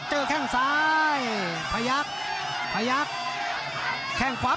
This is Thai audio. ภูตวรรณสิทธิ์บุญมีน้ำเงิน